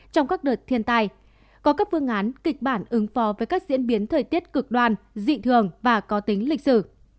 trong các đợt thiên tai có các phương án kịch bản ứng phó với các diễn biến thời tiết cực đoan dị thường và có tính lịch sử